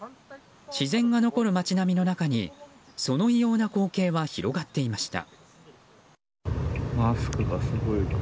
自然が残る町並みの中にその異様な光景は広がっていました。